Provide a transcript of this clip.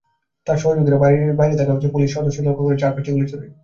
তাঁর সহযোগীরা বাড়ির বাইরে থাকা পুলিশ সদস্যদের লক্ষ্য করে চার-পাঁচটি গুলি ছোড়ে।